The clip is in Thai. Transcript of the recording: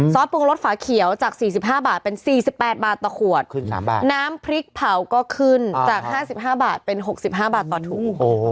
ปรุงรสฝาเขียวจาก๔๕บาทเป็น๔๘บาทต่อขวดขึ้น๓บาทน้ำพริกเผาก็ขึ้นจาก๕๕บาทเป็น๖๕บาทต่อถุง